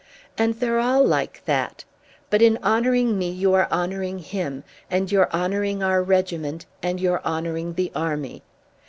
And they're all like that. But in honouring me you are honouring him, and you're honouring our regiment, and you're honouring the army.